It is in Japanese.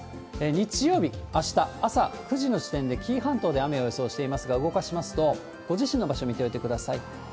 日曜日、あした朝９時の時点で、紀伊半島で雨を予想していますが、動かしますと、ご自身の場所、見ておいてください。